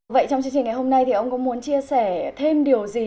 vậy trong chương trình ngày hôm nay thì ông có muốn chia sẻ thêm điều gì